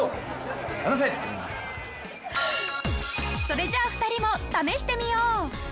それじゃあ２人も試してみよう。